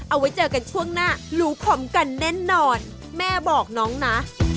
เอาไว้เจอกันช่วงหน้าหรูขมกันแน่นอนแม่บอกน้องนะ